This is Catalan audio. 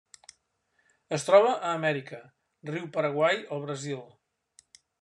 Es troba a Amèrica: riu Paraguai al Brasil.